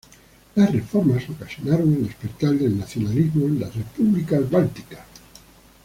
Las reformas ocasionaron el despertar del nacionalismo en las repúblicas bálticas.